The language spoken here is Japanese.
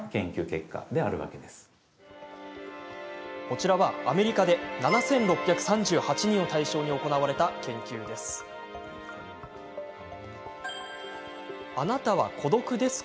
こちらは、アメリカで７６３８人を対象に行われた研究です。